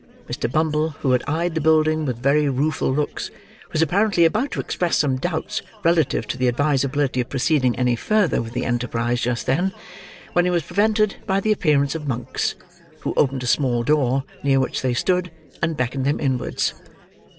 Mr. Bumble, who had eyed the building with very rueful looks, was apparently about to express some doubts relative to the advisability of proceeding any further with the enterprise just then, when he was prevented by the appearance of Monks: who opened a small door, near which they stood, and beckoned them inwards.